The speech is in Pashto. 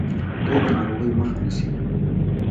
دوی د ناروغیو مخه نیسي.